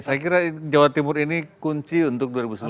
saya kira jawa timur ini kunci untuk dua ribu sembilan belas